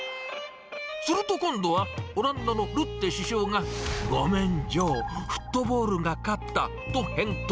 すると今度は、オランダのルッテ首相が、ごめん、ジョー、フットボールが勝ったと返答。